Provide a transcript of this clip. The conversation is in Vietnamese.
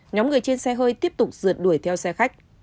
nhóm người trên xe hơi tiếp tục rượt đuổi theo xe khách